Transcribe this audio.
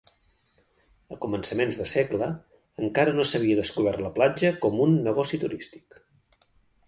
A començaments de segle, encara no s'havia descobert la platja com un negoci turístic.